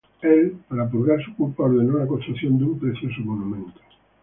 Él para purgar su culpa ordenó la construcción de un precioso monumento.